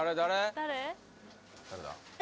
誰だ？